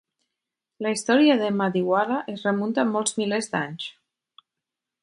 La història de Madiwala es remunta a molts milers d'anys.